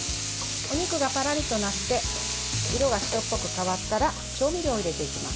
お肉がパラリとなって色が白っぽく変わったら調味料を入れていきます。